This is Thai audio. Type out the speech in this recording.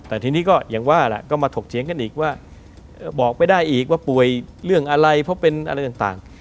แต่ทีนี้ก็อย่างว่าแหละก็มาถกเถียงกันอีกว่าบอกไม่ได้อีกว่าป่วยเรื่องอะไรเพราะเป็นอะไรต่าง